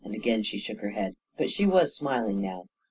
Again she shook her head, but she was smiling now.